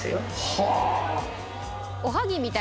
はあ。